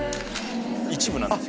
一部なんですけど。